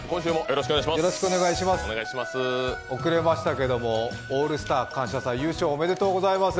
遅れましたけれども「オールスター感謝祭」優勝、おめでとうございます。